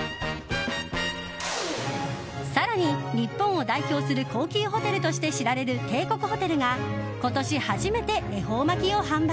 更に、日本を代表する高級ホテルとして知られる帝国ホテルが今年初めて恵方巻きを販売。